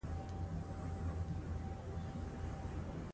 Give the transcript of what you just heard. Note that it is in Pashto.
مېلې د ټولني د خوښۍ او پرمختګ نخښه ده.